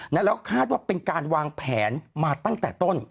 แล้วคาดว่าเป็นการวางแผนมาตั้งแต่ต้น